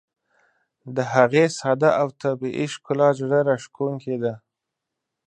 د هغې ساده او طبیعي ښکلا زړه راښکونکې ده.